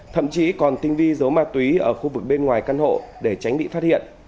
thậm chí còn tinh vi dấu ma túy ở khu vực bên ngoài căn hộ để tránh bị phát hiện